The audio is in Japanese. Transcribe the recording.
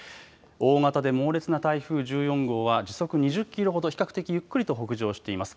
大型で猛烈な台風１４号は時速２０キロほど、比較的ゆっくりと北上しています。